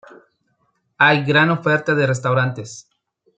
Hay gran oferta de restaurantes.